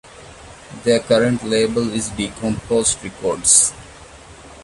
Their current label is Decomposed Records.